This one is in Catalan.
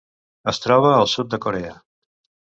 Es troba al sud de Corea.